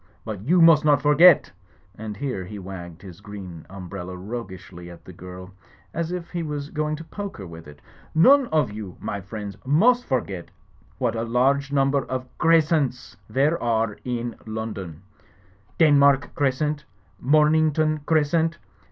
But you must not forget," and here he wagged his green umbrella roguishly at the girl, as if he was going to poke her with it, "none of you, my friends, must forget what a large number of Crescents there are in London I Denmark Crescent; Momington Cres cent!